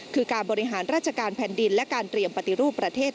คือการบริหารราชการแผ่นดินและการเตรียมปฏิรูปประเทศ